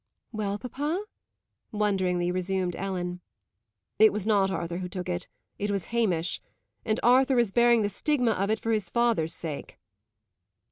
"Well, papa?" wonderingly resumed Ellen. "It was not Arthur who took it. It was Hamish. And Arthur is bearing the stigma of it for his father's sake."